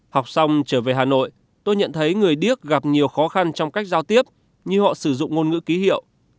học xong trở về hà nội tôi nhận thấy người điếc gặp nhiều khó khăn trong cách giao tiếp như họ sử dụng ngôn ngữ ký hiệu